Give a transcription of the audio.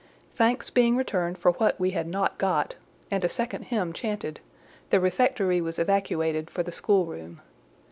Thanks being returned for what we had not got, and a second hymn chanted, the refectory was evacuated for the schoolroom.